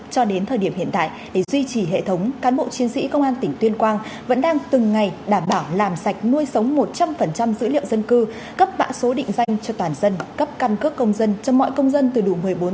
cho đến thời điểm hiện tại để duy trì hệ thống cán bộ chiến sĩ công an tỉnh tuyên quang vẫn đang từng ngày đảm bảo làm sạch nuôi sống một trăm linh dữ liệu dân cư cấp mã số định danh cho toàn dân cấp căn cước công dân cho mọi công dân từ đủ một mươi bốn